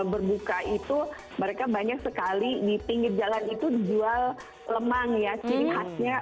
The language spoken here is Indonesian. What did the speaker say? berbuka itu mereka banyak sekali di pinggir jalan itu dijual lemang ya ciri khasnya